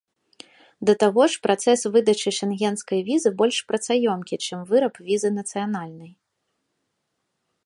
Да таго ж працэс выдачы шэнгенскай візы больш працаёмкі, чым выраб візы нацыянальнай.